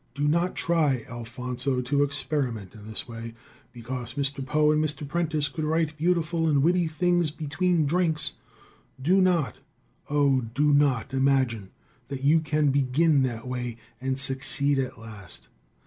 Do not try, Alfonso, to experiment in this way. Because Mr. Poe and Mr. Prentice could write beautiful and witty things between drinks, do not, oh do not imagine that you can begin that way and succeed at last.